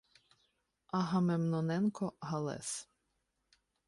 Агамемноненко Галес.